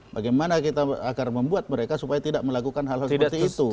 bagaimana kita agar membuat mereka supaya tidak melakukan hal hal seperti itu